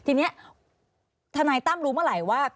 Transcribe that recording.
ทีนี้ทนายตั้มรู้เมื่อไหร่ว่า